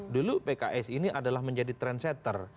dulu pks ini adalah menjadi trendsetter